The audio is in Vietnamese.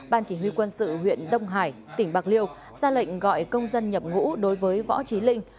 ban chỉ huy quân sự huyện đông hải tỉnh bạc liêu ra lệnh gọi công dân nhập ngũ đối với võ trí linh